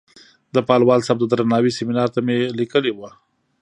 د پالوال صاحب د درناوۍ سیمینار ته مې لیکلې وه.